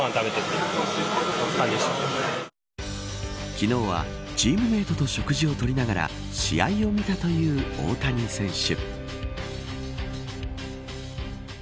昨日は、チームメートと食事をとりながら試合を見たという大谷選手。